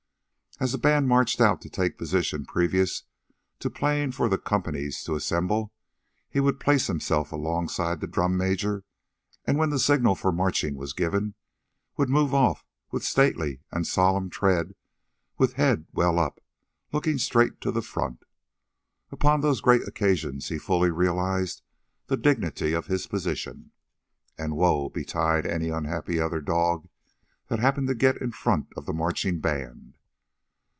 As the band marched out to take position previous to playing for the companies to assemble, he would place himself alongside the drum major, and, when the signal for marching was given, would move off with stately and solemn tread, with head well up, looking straight to the front. Upon those great occasions, he fully realized the dignity of his position, and woe betide any unhappy other dog that happened to get in front of the marching band.